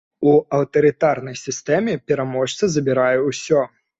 У аўтарытарнай сістэме пераможца забірае ўсё.